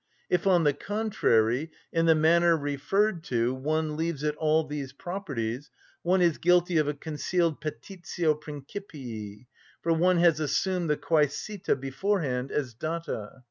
If, on the contrary, in the manner referred to, one leaves it all these properties, one is guilty of a concealed petitio principii, for one has assumed the Quæsita beforehand as Data.